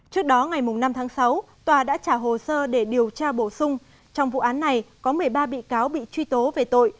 trước đó ngày năm tháng sáu tòa đã trả hồ sơ để điều tra bổ sung trong vụ án này có một mươi ba bị cáo bị truy tố về tội